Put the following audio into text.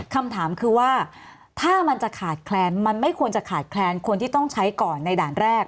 คำถามคือว่าถ้ามันจะขาดแคลนมันไม่ควรจะขาดแคลนคนที่ต้องใช้ก่อนในด่านแรก